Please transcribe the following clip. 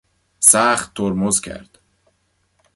سخت ترمز کرد.